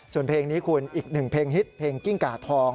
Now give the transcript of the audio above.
ส่วนเพลงนี้คุณอีกหนึ่งเพลงฮิตเพลงกิ้งกาทอง